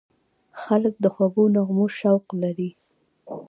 خلک د خوږو نغمو شوق لري.